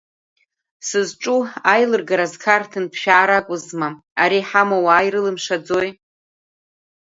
Сызҿу аилыргараз Қарҭынтә шәаар акәызма, ара иҳамоу ауаа ирылымшаӡои?